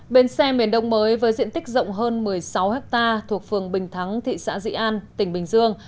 bến xe miền đông mới với diện tích rộng hơn một mươi sáu hectare thuộc phường bình thắng thị xã dĩ an tỉnh bình dương